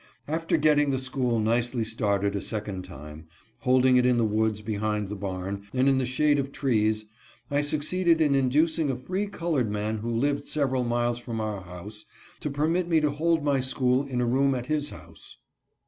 After getting the school nicely started a second time, holding it in the woods behind the barn, and in the shade of trees, I succeeded in inducing a free colored man who lived several miles from our house to permit me to hold my school in a room at his house.